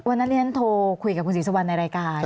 วันนั้นที่ฉันโทรคุยกับคุณศรีสุวรรณในรายการ